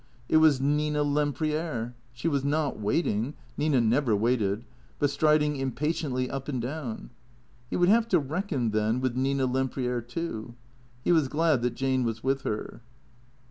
It was Nina Lempriere. She was not waiting — Nina never waited — but striding impatiently up and down. He would have to reckon, then, with Nina Lempriere, too. He was glad that Jane was with her.